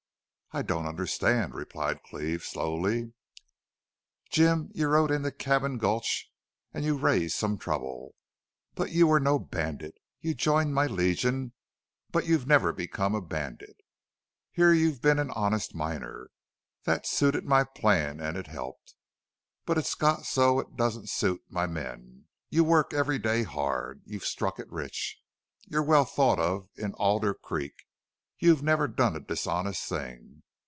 "I don't understand," replied Cleve, slowly. "Jim, you rode into Cabin Gulch, and you raised some trouble. But you were no bandit. You joined my Legion, but you've never become a bandit. Here you've been an honest miner. That suited my plan and it helped. But it's got so it doesn't suit my men. You work every day hard. You've struck it rich. You're well thought of in Alder Creek. You've never done a dishonest thing.